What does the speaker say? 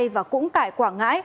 và cũng tại quảng ngãi